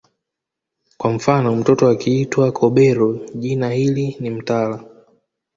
Kwa mfano mtoto akiitwa Kobero jina hili ni mtala